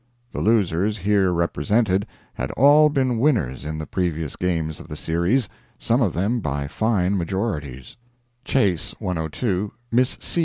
The losers here represented had all been winners in the previous games of the series, some of them by fine majorities: Chase,102 Mrs. D.